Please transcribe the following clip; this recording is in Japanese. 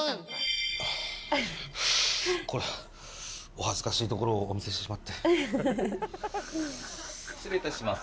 これはお恥ずかしいところをお見せしてしまって失礼いたします